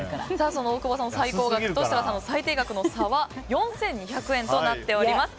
その大久保さんの最高額と設楽さんの最低額の差は４２００円となっております。